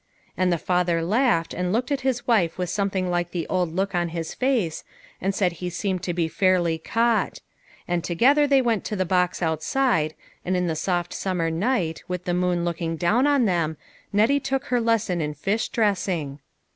And the father laughed, and looked at his wife with something like the old look on his face, and said he seemed to be fairly caught. And together they went to the box outside, and in the soft summer night, with the moon looking down on them, Nettie took her lesson in fish dressing.